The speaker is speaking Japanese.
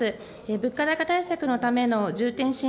物価高対策のための重点支援